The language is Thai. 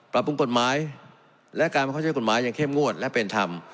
ปรุงกฎหมายและการบังคับใช้กฎหมายอย่างเข้มงวดและเป็นธรรม